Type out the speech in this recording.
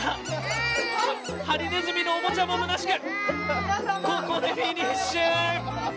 ハリネズミのおもちゃもむなしくここでフィニッシュ！